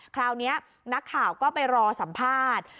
คราวนี้นักข่าวก็ไปรอสัมภาษณ์